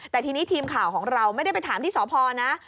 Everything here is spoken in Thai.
แต่ทีนี้ทีมข่าวของเราไม่ได้ไปถามที่สพนะ